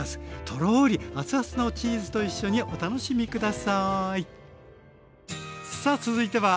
とろり熱々のチーズと一緒にお楽しみ下さい。